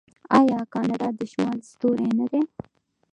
آیا کاناډا د شمال ستوری نه دی؟